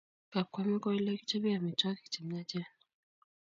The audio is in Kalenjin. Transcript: Kapkoima ko ole kichope amitwogik chemiachen